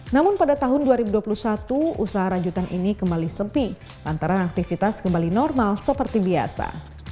namun pada tahun dua ribu dua puluh satu usaha rajutan ini kembali sepi lantaran aktivitas kembali normal seperti biasa